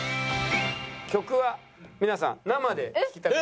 曲は皆さん生で聴きたくないですか？